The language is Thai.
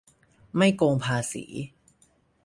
ไม่โกงภาษี